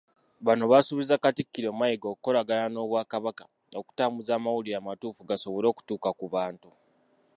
Bano basuubizza Katikkiro Mayiga okukolagana n'Obwakabaka, okutambuza amawulire amatuufu gasobole okutuuka ku bantu.